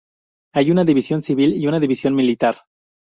Hay una División Civil y una División Militar.